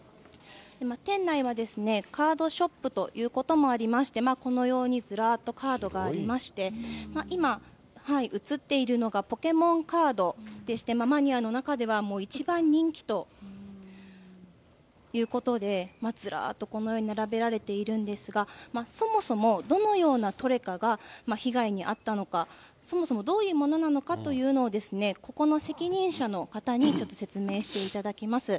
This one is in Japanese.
店内はカードショップということもありまして、このように、ずらーっとカードがありまして、今映っているのが、ポケモンカードでして、マニアの中では一番人気ということで、ずらーっとこのように並べられているんですが、そもそもどのようなトレカが被害に遭ったのか、そもそもどういうものなのかというのを、ここの責任者の方にちょっと説明していただきます。